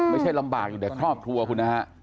ไม่ใช่ลำบากอยู่แต่ครอบครัวคุณนะฮะ